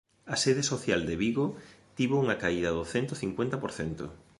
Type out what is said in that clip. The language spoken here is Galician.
A sede social de Vigo tivo unha caída do cento cincuenta por cento.